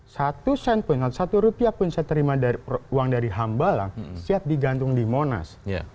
satu sen pun satu rupiah pun saya terima uang dari hamba lah siap digantung di monas